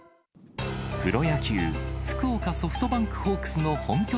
プロ野球・福岡ソフトバンクホークスの本拠